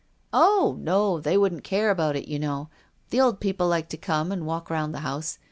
"Oh, no! They wouldn't care about it, you know. The old people like to come and walk round the house.